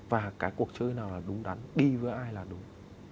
và cái cuộc chơi nào là đúng đắn đi với ai là đúng